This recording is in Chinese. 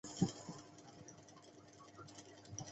苏姆阿布姆巴比伦第一王朝首任国王。